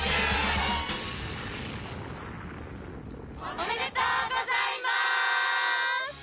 おめでとうございます！